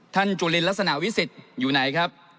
ท่านจุลิลัศนวิสิตอยู่ไหนครับ